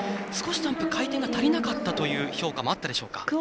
少しジャンプ回転が足りなかったという評価もあったでしょうか。